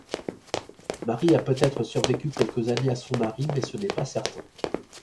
Marie a peut-être survécu quelques années à son mari mais ce n'est pas certain.